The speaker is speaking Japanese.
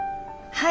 はい。